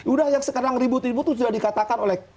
udah sekarang ribut ribut sudah dikatakan oleh